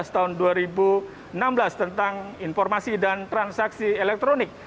tahun dua ribu enam belas tentang informasi dan transaksi elektronik